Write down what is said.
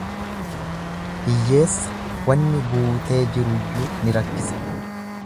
Hiyyeessa waanni guutee jiruyyuu ni rakkisa.